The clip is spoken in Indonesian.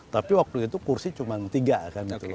tapi waktu itu kursi cuma tiga kan gitu loh